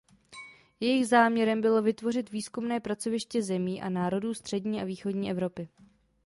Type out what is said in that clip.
Jejich záměrem bylo vytvořit výzkumné pracoviště zemí a národů střední a východní Evropy.